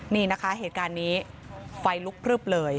นี่นะคะเหตุการณ์นี้ไฟลุกพลึบเลย